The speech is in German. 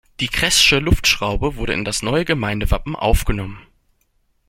Die Kress´sche Luftschraube wurde in das neue Gemeindewappen aufgenommen.